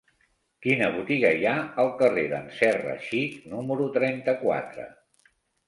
Quina botiga hi ha al carrer d'en Serra Xic número trenta-quatre?